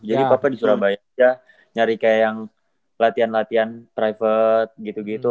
jadi papa di surabaya aja nyari kayak yang latihan latihan private gitu gitu